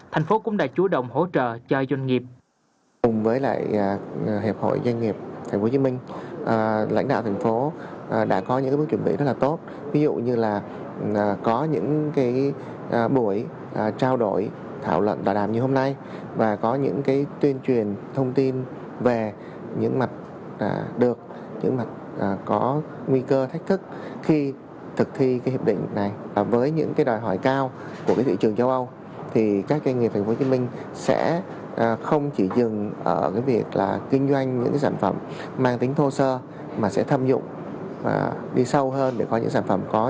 thành phố cũng đã chú động hỗ trợ cho doanh nghiệp